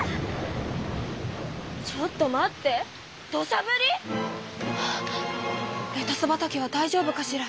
ちょっと待って土しゃぶり⁉レタス畑はだいじょうぶかしら？